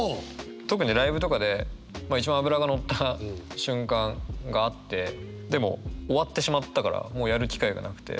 特にライブとかで一番脂が乗った瞬間があってでも終わってしまったからもうやる機会がなくて。